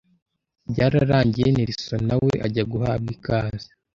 Byararangiye Nelson nawe ajya guhabwa ikaze